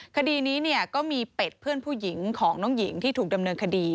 คดีนี้เนี่ยก็มีเป็ดเพื่อนผู้หญิงของน้องหญิงที่ถูกดำเนินคดี